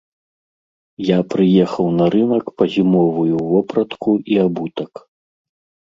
Я прыехаў на рынак па зімовую вопратку і абутак.